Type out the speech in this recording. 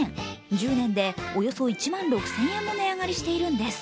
１０年でおよそ１万６０００円も値上がりしているんです。